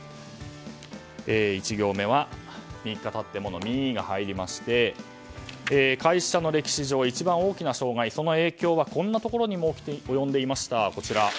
１行目は３日たってもの「ミ」が入りまして会社の歴史上一番大きな障害その影響はこんなところにも及んでいました。